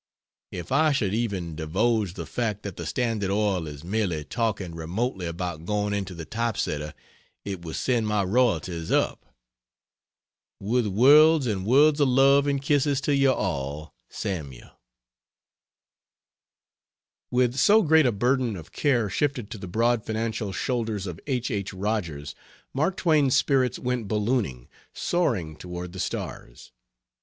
If I should even divulge the fact that the Standard Oil is merely talking remotely about going into the type setter, it would send my royalties up. With worlds and worlds of love and kisses to you all, SAML. With so great a burden of care shifted to the broad financial shoulders of H. H. Rogers, Mark Twain's spirits went ballooning, soaring toward the stars.